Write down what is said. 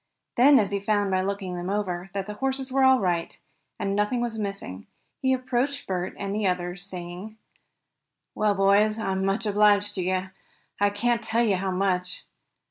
Then, as he found by looking them over, that the horses were all right, and that nothing was missing, he approached Bert and the others, saying: "Well, boys, I'm much obliged to you. I can't tell you how much.